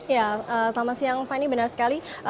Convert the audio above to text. ya selamat siang fani benar sekali